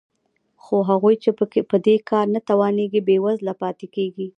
خو هغوی چې په دې کار نه توانېږي بېوزله پاتې کېږي